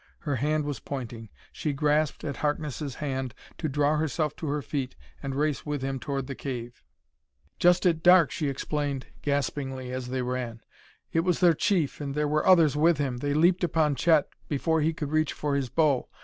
Her hand was pointing. She grasped at Harkness' hand to draw herself to her feet and race with him toward the cave. "Just at dark," she explained gaspingly as they ran. "It was their chief, and there were others with him. They leaped upon Chet before he could reach for his bow.